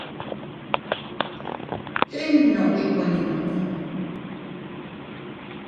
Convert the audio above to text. ¿Chinnud ikuinnu?